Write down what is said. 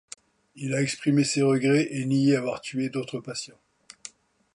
Il a exprimé ses regrets et nié avoir tué d'autres patients.